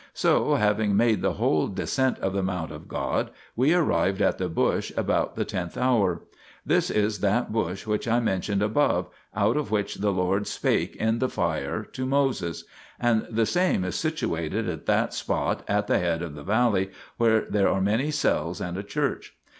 So having made the whole descent of the mount of God we arrived at the bush about the tenth hour. This is that bush which I mentioned above, out of which the Lord spake in the fire to Moses, and the same is situated at that spot at the head of the valley where there are many cells and a church.